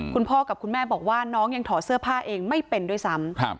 คุณพ่อกับคุณแม่บอกว่าน้องยังถอดเสื้อผ้าเองไม่เป็นด้วยซ้ำ